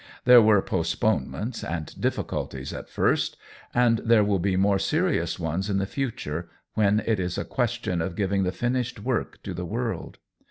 There were postponements and difficulties at first, and there will be more serious ones in the future, when it is a question of giving the finished work to the world.